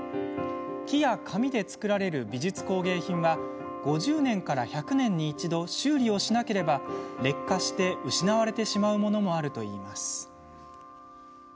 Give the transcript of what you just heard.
木や紙で作られる美術工芸品は５０年から１００年に一度修理をしなければ劣化して失われてしまうものもあるといいます。